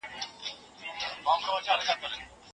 د حق لاره د باطل په پرتله ډېره روښانه ده.